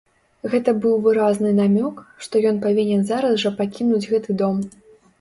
Гэта быў выразны намёк, што ён павінен зараз жа пакінуць гэты дом.